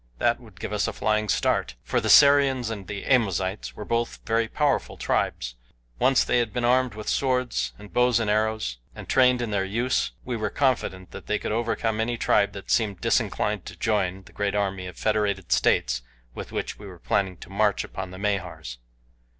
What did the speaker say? That would give us a flying start, for the Sarians and the Amozites were both very powerful tribes. Once they had been armed with swords, and bows and arrows, and trained in their use we were confident that they could overcome any tribe that seemed disinclined to join the great army of federated states with which we were planning to march upon the Mahars.